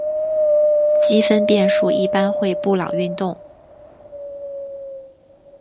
积分变数一般会布朗运动。